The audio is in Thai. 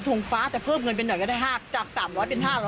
ธงฟ้าแต่เพิ่มเงินไปหน่อยก็ได้ฮาตจากสามร้อยเป็นห้าหรอ